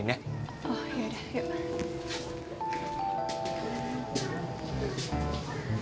oh yaudah yuk